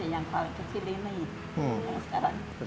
yang paling kecil ini